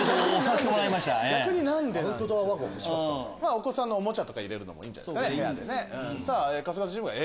お子さんのおもちゃ入れるのもいいんじゃないですか部屋で。